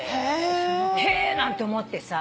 へぇ！なんて思ってさ。